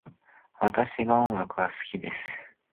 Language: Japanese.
私は音楽が好きです。